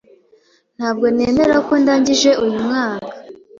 Ntabwo nemera ko ndangije uyu mwaka.